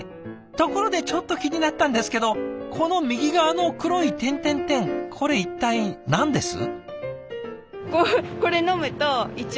ところでちょっと気になったんですけどこの右側の黒い点々々これ一体何です？